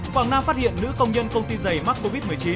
quảng nam phát hiện nữ công nhân công ty giày mắc covid một mươi chín